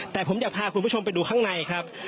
แต่ผมอยากพาคุณผู้ชมไปดูข้างในครับ